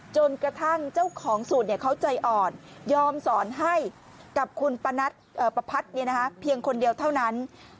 จนกระทั่งเจ้าของสูตรเขาใจอ่อนยอมสอนให้กับคุณประพัทธ์เพียงคนเดียวเท่านั้น